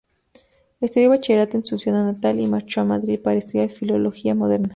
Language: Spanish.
Estudió bachillerato en su ciudad natal y marchó a Madrid para estudiar Filología Moderna.